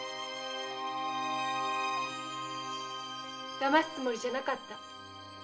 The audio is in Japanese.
騙すつもりじゃなかった。